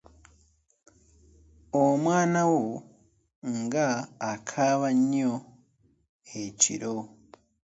Omwana wo ng'akaaba nnyo ekiro.